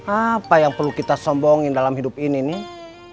apa yang perlu kita sombongin dalam hidup ini nih